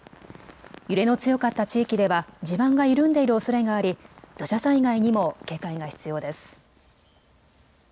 揺れの強かった地域では地盤が緩んでいるおそれがあり土砂災害にも警戒が必要です。